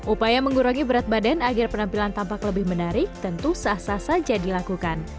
upaya mengurangi berat badan agar penampilan tampak lebih menarik tentu sah sah saja dilakukan